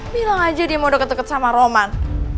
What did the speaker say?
bilang aja dia mau deket deket sama roman